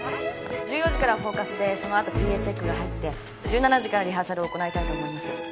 １４時からフォーカスでその後ＰＡチェックが入って１７時からリハーサルを行いたいと思います。